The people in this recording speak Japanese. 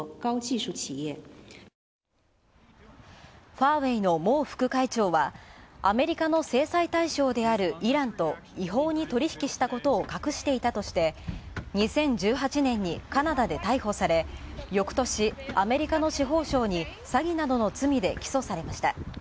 ファーウェイの孟副会長はアメリカの制裁対象であるイランと違法に取り引きしていたことを隠していたとして、２０１８年にカナダで逮捕され翌年アメリカの司法省に詐欺などの罪で起訴されました。